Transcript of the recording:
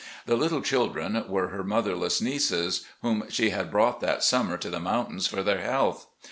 The "little children" were her motherless nieces, whom she had brought that summer to the mountains for their health.